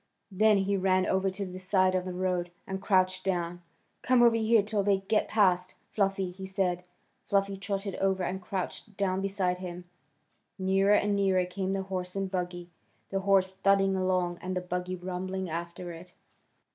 Then he ran over to the side of the road, and crouched down. "Come over here till they get past, Fluffy," he said. Fluffy trotted over and crouched down beside him. Nearer and nearer came the horse and buggy, the horse thudding along and the buggy rumbling after it.